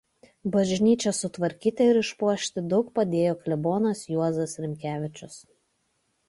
Bažnyčią sutvarkyti ir išpuošti daug padėjo klebonas Juozas Rimkevičius.